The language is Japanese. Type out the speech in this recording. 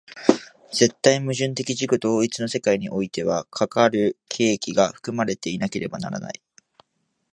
絶対矛盾的自己同一の世界においては、かかる契機が含まれていなければならない。